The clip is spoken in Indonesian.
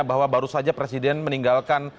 bahwa baru saja presiden meninggalkan